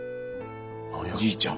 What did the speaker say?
おじいちゃん。